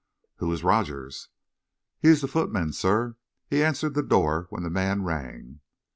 "Who is Rogers?" "He's the footman, sir. He answered the door when the man rang."